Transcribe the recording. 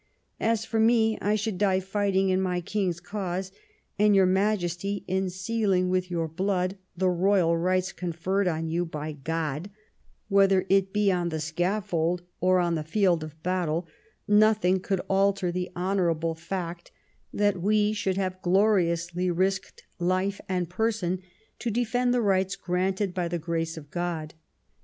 As for me, I should die fighting in my King's Cause, and your Majesty in sealing with your blood the royal rights conferred on you by God ; whether it be on the scaffold or on the field of battle, nothing could alter the honourable fact that we should have gloriously risked life and person to defend the rights granted by the grace of God.